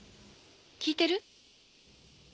聞いてる？